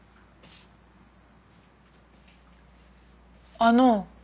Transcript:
あの。